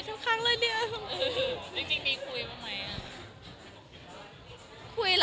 จริงมีข่านมั้ย